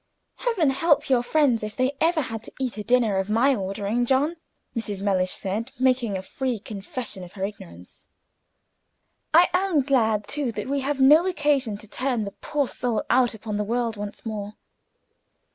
"Heaven help your friends if they ever had to eat a dinner of my ordering, John," Mrs. Mellish said, making a free confession of her ignorance; "I am glad, too, that we have no occasion to turn the poor soul out upon the world once more.